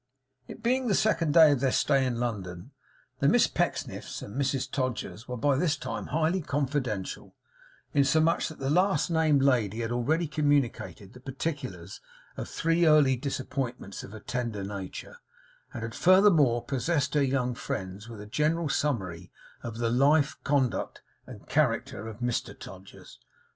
It being the second day of their stay in London, the Miss Pecksniffs and Mrs Todgers were by this time highly confidential, insomuch that the last named lady had already communicated the particulars of three early disappointments of a tender nature; and had furthermore possessed her young friends with a general summary of the life, conduct, and character of Mr Todgers.